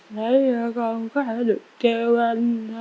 để có thể được kêu anh vẽ